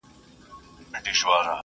خو ډېر لګښت مه کوئ.